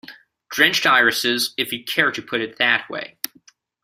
Drenched irises, if you care to put it that way.